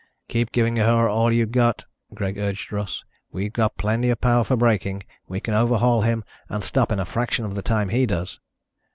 "Keep giving her all you got," Greg urged Russ. "We've got plenty of power for braking. We can overhaul him and stop in a fraction of the time he does."